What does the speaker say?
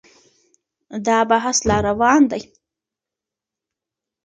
دا بحث لا روان دی.